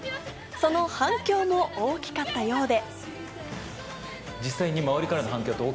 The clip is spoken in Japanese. その反響も大きかったようで。